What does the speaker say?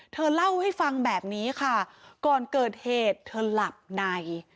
เธอเล่าให้ฟังแบบนี้ค่ะก่อนเกิดเหตุเธอหลับใน